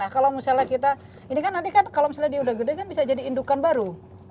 kalau misalnya dia sudah besar bisa jadi indukan baru